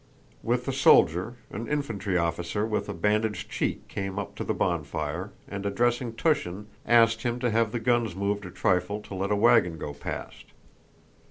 With the soldier, an infantry officer with a bandaged cheek came up to the bonfire, and addressing Túshin asked him to have the guns moved a trifle to let a wagon go past.